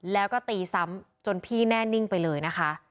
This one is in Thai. แล้วก็ตีซ้ำจนพี่แน่นิ่งไปเลยนะคะ